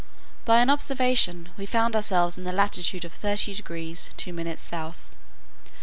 By an observation, we found ourselves in the latitude of 30 degrees 2 minutes south.